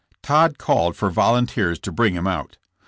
Todd called for volunteers to bring him out.